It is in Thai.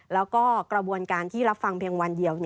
แล้วก็กระบวนการที่รับฟังเพียงวันเดียว